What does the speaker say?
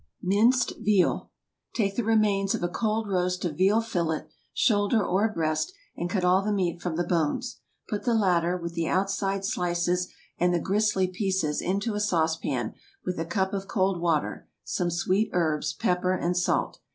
MINCED VEAL. Take the remains of a cold roast of veal fillet, shoulder, or breast, and cut all the meat from the bones. Put the latter, with the outside slices and the gristly pieces, into a saucepan, with a cup of cold water, some sweet herbs, pepper, and salt.